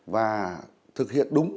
và thực hiện đúng